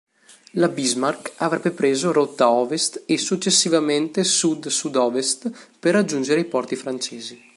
La "Bismarck" avrebbe preso rotta ovest e successivamente sud-sud-ovest per raggiungere i porti francesi.